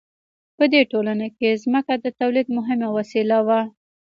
په دې ټولنه کې ځمکه د تولید مهمه وسیله وه.